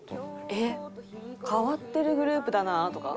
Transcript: えっ？変わってるグループだなとか。